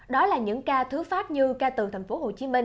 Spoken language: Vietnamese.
đó là những ca thứ phát như ca từ tp hcm